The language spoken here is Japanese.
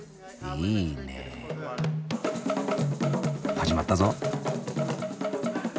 始まったぞ。